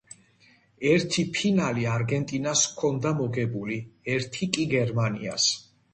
ერთი ფინალი არგენტინას ჰქონდა მოგებული, ერთი კი გერმანიას.